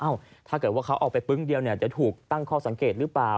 ถ้าเกิดว่าเขาเอาไปปึ้งเดียวเนี่ยจะถูกตั้งข้อสังเกตหรือเปล่า